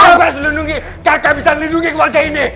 apa yang harus dilindungi kakak bisa ngelindungi keluarga ini